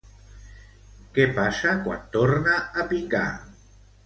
Què passa quan torna a picar?